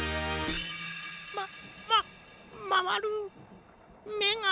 まままわるめが。